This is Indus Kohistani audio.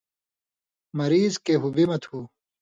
مریض کہ ہُبی مہ تُھو